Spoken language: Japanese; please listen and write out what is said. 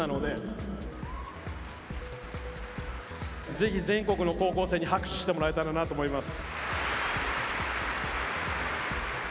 ぜひ全国の高校生に拍手してもらえたらなと思います。